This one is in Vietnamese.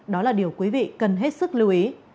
đó là điều quý vị cần hết sức lưu ý